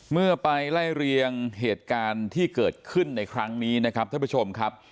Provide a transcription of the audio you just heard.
เมื่อไปไล่เรียงเหตุการณ์ที่เกิดขึ้นในครั้งนี้นะครับท่านผู้ชมครับ